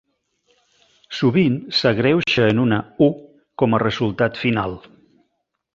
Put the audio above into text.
Sovint s'abreuja en una "U" com a resultat final.